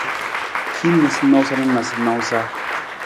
Hin niisaniisatu na noosanoosa.